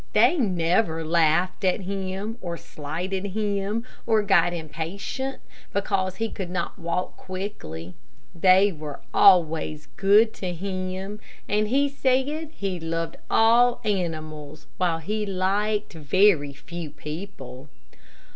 They never laughed at him, or slighted him, or got impatient, because he could not walk quickly. They were always good to him, and he said he loved all animals while he liked very few people.